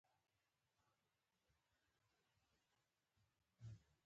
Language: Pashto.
په اوونۍ کې له درې تر پنځه ځله پلی تګ وکړئ.